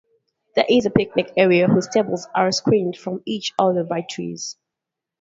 There is a picnic area whose tables are screened from each other by trees.